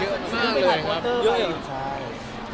เยอะอีก